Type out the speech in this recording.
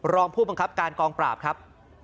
รองผู้บังคับการกองปราบครับ